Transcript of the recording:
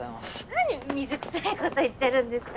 何水くさいこと言ってるんですか。